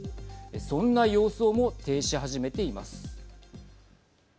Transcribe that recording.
そんな様相も呈し始めています。